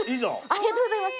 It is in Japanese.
ありがとうございます。